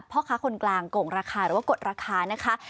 พ่อค้าคนกลางโกงราคาหรือว่ากดราคานะคะ